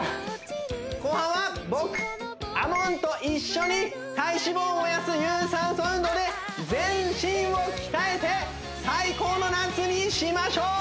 後半は僕ＡＭＯＮと一緒に体脂肪を燃やす有酸素運動で全身を鍛えて最高の夏にしましょう！